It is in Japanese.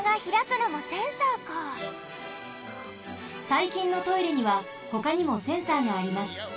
さいきんのトイレにはほかにもセンサーがあります。